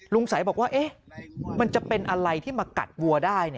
ใสบอกว่ามันจะเป็นอะไรที่มากัดวัวได้